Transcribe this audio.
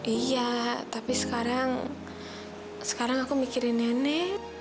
iya tapi sekarang sekarang aku mikirin nenek